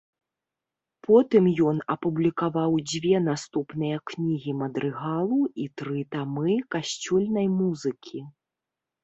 Потым ён апублікаваў дзве наступныя кнігі мадрыгалу і тры тамы касцёльнай музыкі.